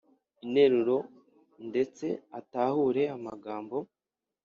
interuro ndetse atahure amagambo